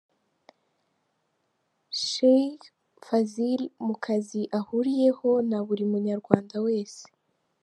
Sheikh Fazil mu kazi ahuriyeho na buri Munyarwanda wese.